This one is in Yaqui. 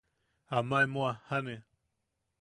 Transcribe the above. Ama emo jajjane.